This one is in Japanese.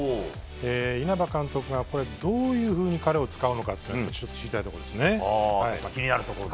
稲葉監督がどういうふうに使うのか知りたいところですね。